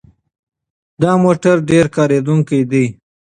دا موټر ډېر کارېدونکی دی.